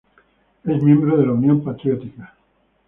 Es miembro de la Unión Patriótica.